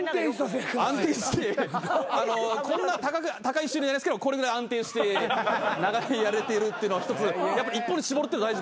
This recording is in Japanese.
こんな高い収入じゃないですけどこれぐらい安定して長年やれてるっていうのは一つやっぱ一本に絞るって大事かなと。